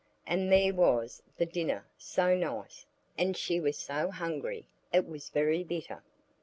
And there was the dinner, so nice; and she was so hungry. It was very bitter.